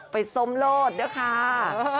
ไปสมโลศนะคะ